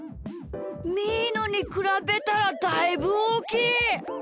みーのにくらべたらだいぶおおきい！